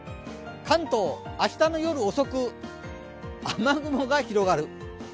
関東、明日の夜遅く雨雲が広がる。